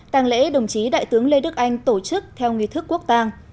tàng lễ đồng chí đại tướng lê đức anh tổ chức theo nghị thức quốc tàng